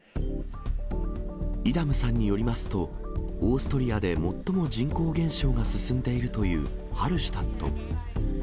イダムさんによりますと、オーストリアで最も人口減少が進んでいるというハルシュタット。